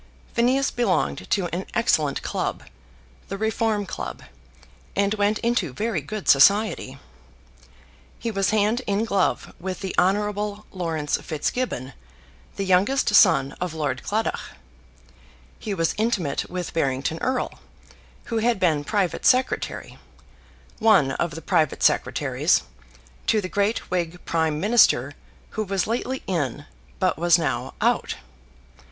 Phineas belonged to an excellent club, the Reform Club, and went into very good society. He was hand in glove with the Hon. Laurence Fitzgibbon, the youngest son of Lord Claddagh. He was intimate with Barrington Erle, who had been private secretary, one of the private secretaries, to the great Whig Prime Minister who was lately in but was now out.